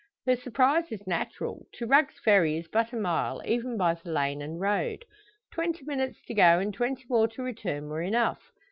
Her surprise is natural. To Rugg's Ferry is but a mile, even by the lane and road. Twenty minutes to go and twenty more to return were enough.